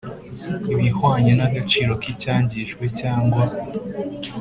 ibihwanye n agaciro k icyangijwe cyangwa